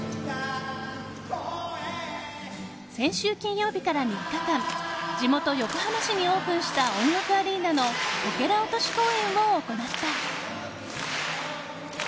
先週金曜日から３日間地元・横浜市にオープンした音楽アリーナのこけら落とし公演を行った。